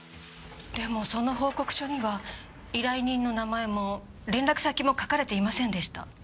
でもその報告書には依頼人の名前も連絡先も書かれていませんでした。